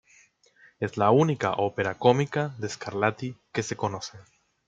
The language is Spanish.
Es la única ópera cómica de Scarlatti que se conoce.